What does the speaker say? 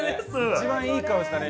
一番いい顔したね